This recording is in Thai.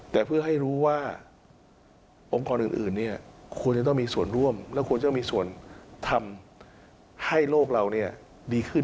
แต่เพื่อให้รู้ว่าองค์กรอื่นเนี่ยควรจะต้องมีส่วนร่วมและควรจะมีส่วนทำให้โลกเราดีขึ้น